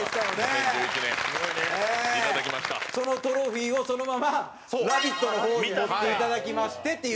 蛍原：そのトロフィーをそのまま『ラヴィット！』の方に持っていただきましてっていう。